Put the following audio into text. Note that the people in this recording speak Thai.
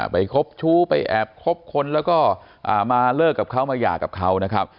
คบชู้ไปแอบคบคนแล้วก็มาเลิกกับเขามาหย่ากับเขานะครับ